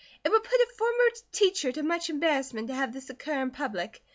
It would put a former teacher to much embarrassment to have this occur in public.